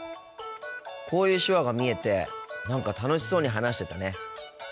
こういう手話が見えて何か楽しそうに話してたね。